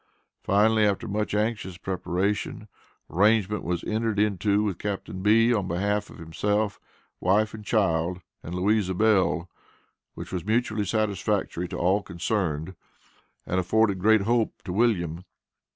Finally, after much anxious preparation, agreement was entered into with Captain B., on behalf of himself, wife, child, and Louisa Bell, which was mutually satisfactory to all concerned, and afforded great hope to William.